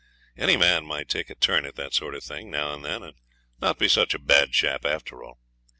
Any man might take a turn at that sort of thing, now and then, and not be such a bad chap after all.